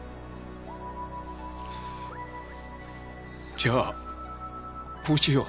じゃあこうしよう。